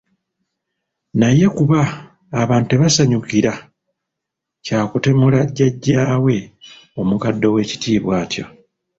Naye kuba abantu tebaasanyukira kya kutemula jjajjaawe omukadde ow'ekitiibwa atyo.